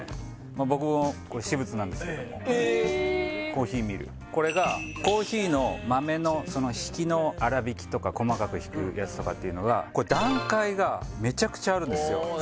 僕のこれ私物なんですけどもコーヒーミルこれがコーヒーの豆のその挽きの粗挽きとか細かく挽くやつとかっていうのが段階がめちゃくちゃあるんですよ